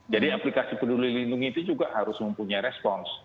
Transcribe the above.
jadi aplikasi peduli lindungi itu juga harus mempunyai respon